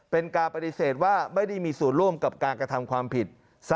เป็นการปฏิเสธว่าไม่ได้มีส่วนร่วมกับการกระทำความผิด